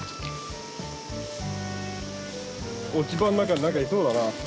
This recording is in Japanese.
落ち葉の中に何かいそうだな。